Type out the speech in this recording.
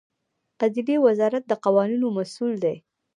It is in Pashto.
عدلیې وزارت د قوانینو مسوول دی